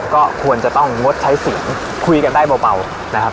ก็ควรจะต้องงดใช้เสียงคุยกันได้เบานะครับ